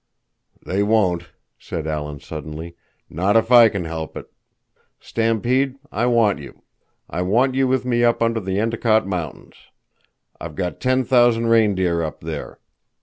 "They won't," said Alan suddenly. "Not if I can help it. Stampede, I want you. I want you with me up under the Endicott Mountains. I've got ten thousand reindeer up there.